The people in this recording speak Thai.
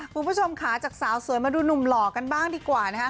คุณผู้ชมค่ะจากสาวสวยมาดูหนุ่มหล่อกันบ้างดีกว่านะคะ